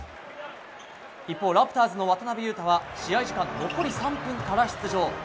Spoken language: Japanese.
一方、ラプターズの渡邊雄太は試合時間残り３分から出場。